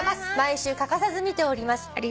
毎週欠かさず見ております」